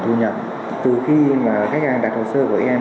và khách hàng đặt hồ sơ của em